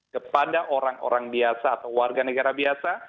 kepada orang orang biasa atau warga negara biasa